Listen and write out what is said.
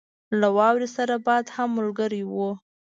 له واورې سره باد هم ملګری وو.